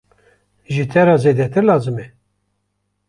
Ji te re zêdetir lazim e!